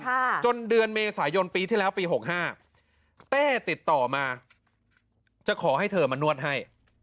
จนเดือนเมษายนปีที่แล้วปีหกห้าเต้ติดต่อมาจะขอให้เธอมานวดให้